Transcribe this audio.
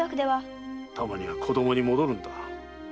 たまには子供に戻るんだ。